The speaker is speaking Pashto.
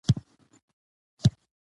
ټول یې خپله کې یوه ګډه ځانګړنه لري